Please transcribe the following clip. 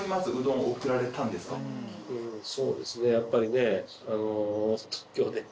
そうですねやっぱりねあの。